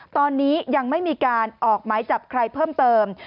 ตอนนี้ยังไม่มีการออกหมายจับใครเพิ่มเติม